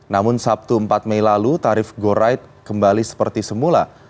namun sabtu empat mei lalu tarif go ride kembali seperti semula